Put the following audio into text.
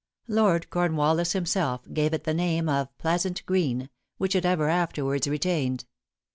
Lord Cornwallis himself gave it the name of "Pleasant Green," which it ever afterwards retained.